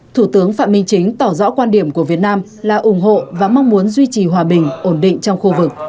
thủ tướng phạm minh chính tỏ rõ quan điểm của việt nam là ủng hộ và mong muốn duy trì hòa bình ổn định trong khu vực